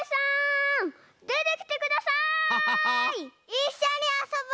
いっしょにあそぼ！